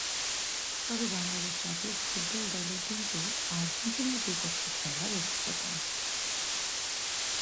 তবে বাংলাদেশ জাতীয় ফুটবল দলের কিন্তু আর্জেন্টিনার বিপক্ষে খেলার অভিজ্ঞতা আছে।